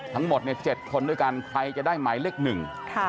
ทั้งหมด๗คนด้วยกันใครจะได้หมายเลขหนึ่ง